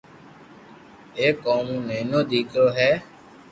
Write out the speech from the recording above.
ايڪ او مو نينيو ديڪرو ھي